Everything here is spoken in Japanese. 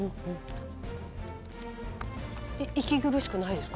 息苦しくないですか？